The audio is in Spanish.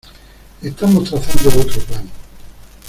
Estamos trazando otro plan.